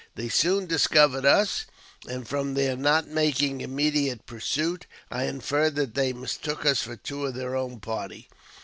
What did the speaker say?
They soon discovered us, and, from their not making immediate pursuit, I inferred that they mistook us for two of their own party.